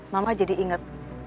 mama jadi ingat